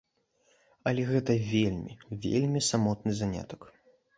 Але гэта вельмі, вельмі самотны занятак.